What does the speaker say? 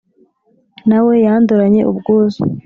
Na we yandoranye ubwuzu.